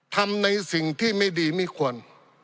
ทำในสิ่งที่ไม่ดีไม่ควร